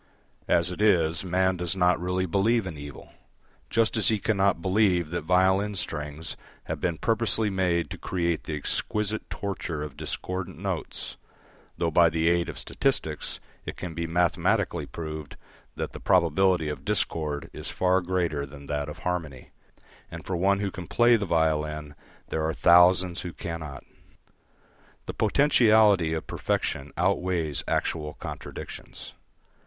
As it is, man does not really believe in evil, just as he cannot believe that violin strings have been purposely made to create the exquisite torture of discordant notes, though by the aid of statistics it can be mathematically proved that the probability of discord is far greater than that of harmony, and for one who can play the violin there are thousands who cannot. The potentiality of perfection outweighs actual contradictions.